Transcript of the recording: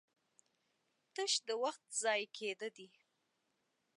تش د وخت ضايع کېده دي